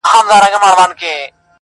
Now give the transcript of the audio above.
.!پر مزار به یې رپېږي جنډۍ ورو ورو.!